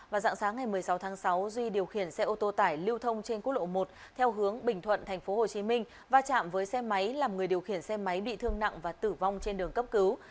vào dạng sáng ngày một mươi sáu tháng sáu duy điều khiển xe ô tô tải lưu thông trên quốc lộ một theo hướng bình thuận tp hcm va chạm với xe máy làm người điều khiển xe máy bị thương nặng và tử vong trên đường cấp cứu